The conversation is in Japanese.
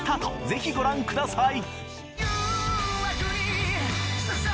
ぜひご覧ください